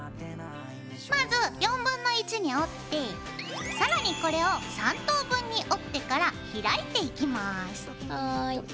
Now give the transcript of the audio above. まず1/4に折って更にこれを３等分に折ってから開いていきます。